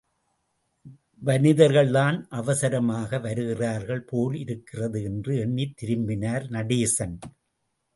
மனிதர்கள்தான் அவசரமாக வருகிறார்கள் போலிருக்கிறது என்று எண்ணித் திரும்பினார் நடேசன்!